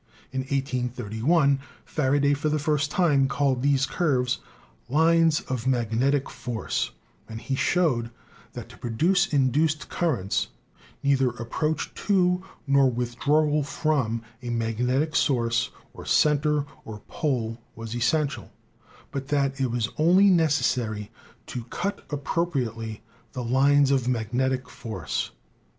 In 1 83 1 Faraday for the first time called these curves "lines of magnetic force," and he showed that to produce induced currents neither approach to nor withdrawal from a magnetic source, or center, or pole was essential, but that it was only necessary to cut appropriately the lines of magnetic force.